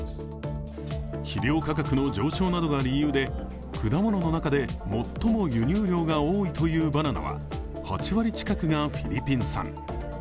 肥料価格の上昇などが理由で果物の中で最も輸入量が多いというバナナは、８割近くがフィリピン産。